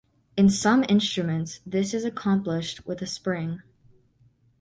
In some instruments, this is accomplished with a spring.